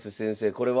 これは？